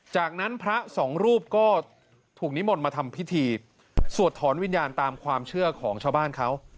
จากนั้นพระสองรูปก็ถูกนิมนต์มาทำพิธีสวดถอนวิญญาณตามความเชื่อของชาวบ้านเขา